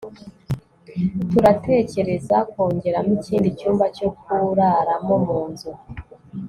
turatekereza kongeramo ikindi cyumba cyo kuraramo munzu